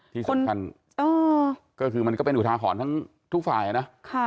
ที่สำคัญก็คือมันก็เป็นอุทาหรณ์ทั้งทุกฝ่ายนะ